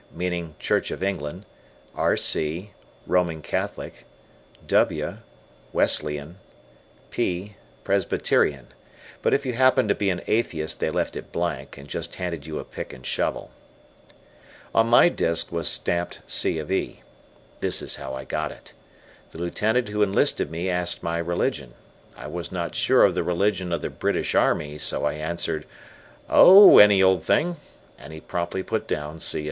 meaning Church of England; R. C., Roman Catholic; W., Wesleyan; P., Presbyterian; but if you happened to be an atheist they left it blank, and just handed you a pick and shovel. {Photo: The Author's Identification Disk.} On my disk was stamped C. of E. This is how I got it: The Lieutenant who enlisted me asked my religion. I was not sure of the religion of the British Army, so I answered, "Oh, any old thing," and he promptly put down C.